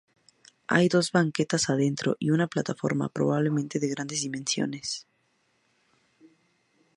Hay dos banquetas adentro, y una plataforma, probablemente de grandes dimensiones.